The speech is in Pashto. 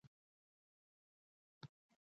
دا پانګوال کارګرانو ته مزد ورکوي